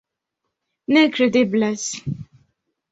Nekredeblas.